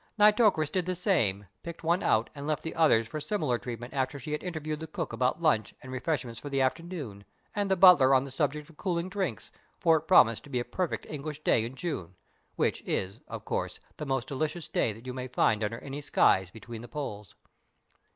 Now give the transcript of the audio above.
Nitocris did the same, picked one out and left the others for similar treatment after she had interviewed the cook about lunch and refreshments for the afternoon, and the butler on the subject of cooling drinks, for it promised to be a perfect English day in June which is, of course, the most delicious day that you may find under any skies between the Poles.